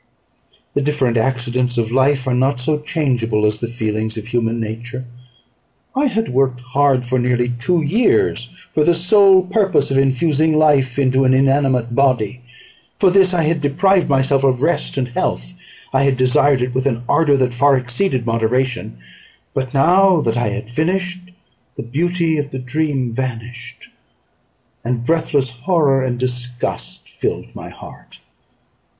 The different accidents of life are not so changeable as the feelings of human nature. I had worked hard for nearly two years, for the sole purpose of infusing life into an inanimate body. For this I had deprived myself of rest and health. I had desired it with an ardour that far exceeded moderation; but now that I had finished, the beauty of the dream vanished, and breathless horror and disgust filled my heart.